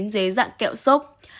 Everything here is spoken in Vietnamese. dế dạng kẹo sốc